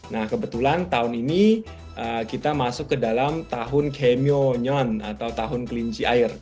nah kebetulan tahun ini kita masuk ke dalam tahun gye myo nyeon atau tahun kelinci air